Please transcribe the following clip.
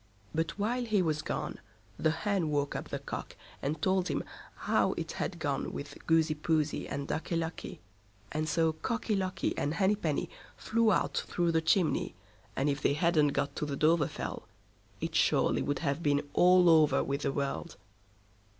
But while he was gone, the Hen woke up the Cock, and told him how it had gone with Goosey Poosey and Ducky Lucky; and so Cocky Lucky and Henny Penny flew out through the chimney, and if they hadn't got to the Dovrefell, it surely would have been all over with the world.